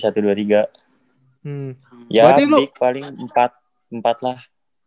ya rick paling empat lah